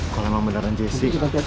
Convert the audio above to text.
kalo emang beneran jessi